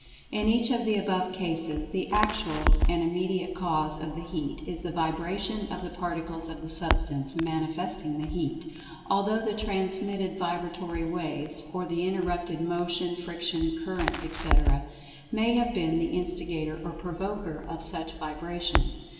In each of the above cases, the actual and immediate cause of the Heat is the vibration of the Particles of the Substance manifesting the Heat, although the transmitted vibratory waves, or the interrupted motion, friction, current, etc., may have been the instigator or provoker of such vibration.